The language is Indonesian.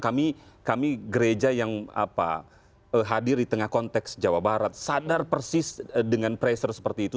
kami kami gereja yang hadir di tengah konteks jawa barat sadar persis dengan pressure seperti itu